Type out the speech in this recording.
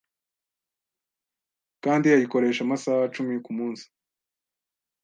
kandi ayikoresha amasaha cumi ku munsi.